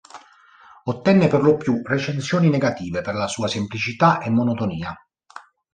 Ottenne perlopiù recensioni negative per la sua semplicità e monotonia.